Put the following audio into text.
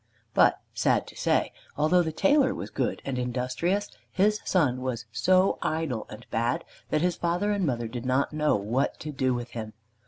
But, sad to say, although the tailor was good and industrious, his son was so idle and bad that his father and mother did not know what to do with him.